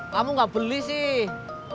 kamu gak beli sih